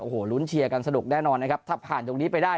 โอ้โหลุ้นเชียร์กันสนุกแน่นอนนะครับถ้าผ่านตรงนี้ไปได้